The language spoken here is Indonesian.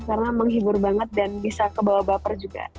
karena menghibur banget dan bisa kebawa baper juga